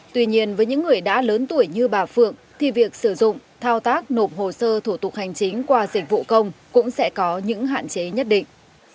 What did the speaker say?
tuy nhiên với những người đã lớn tuổi như bà phượng thì việc sử dụng thao tác nộp hồ sơ thủ tục hành chính qua dịch vụ công cũng sẽ có những hạn chế nhất định